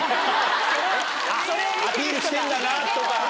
アピールしてんだなとか。